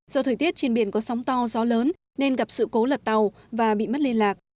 do thời tiết trên biển có sóng to gió lớn nên gặp sự cố lật tàu và bị mất liên lạc